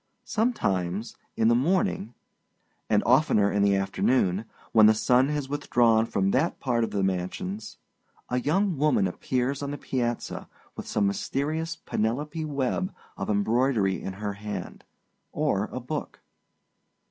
Sometimes in the morning, and oftener in the afternoon, when the sun has withdrawn from that part of the mansions, a young woman appears on the piazza with some mysterious Penelope web of embroidery in her hand, or a book.